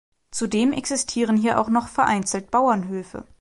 Zudem existieren hier auch noch vereinzelt Bauernhöfe.